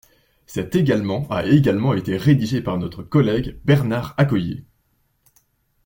Cet également a également été rédigé par notre collègue Bernard Accoyer.